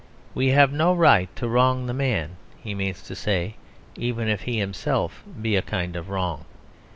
We have no right to wrong the man, he means to say, even if he himself be a kind of wrong.